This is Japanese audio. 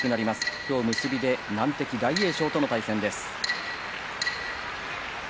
今日結びで難敵、大栄翔との対戦です。